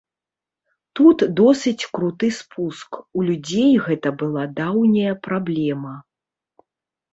Тут досыць круты спуск, у людзей гэта была даўняя праблема.